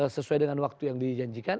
sesuai dengan waktu yang dijanjikan